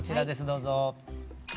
どうぞ。